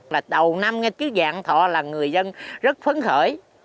là đầu năm nghe chữ vạn thọ là người dân rất phấn khởi